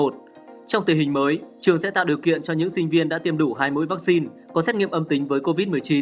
trong tình hình mới trường sẽ tạo điều kiện cho những sinh viên đã tiêm đủ hai mũi vaccine có xét nghiệm âm tính với covid một mươi chín